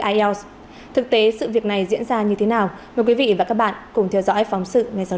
ielts thực tế sự việc này diễn ra như thế nào mời quý vị và các bạn cùng theo dõi phóng sự ngay sau